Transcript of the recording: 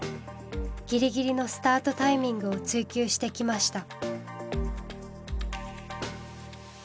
ぎりぎりのスタートタイミングを追求してきました。